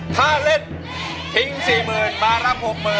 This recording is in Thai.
ถ้าเล่นทิ้ง๔๐๐๐มารับ๖๐๐๐